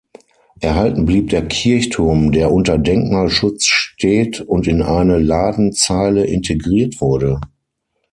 Erhalten blieb der Kirchturm, der unter Denkmalschutz steht und in eine Ladenzeile integriert wurde.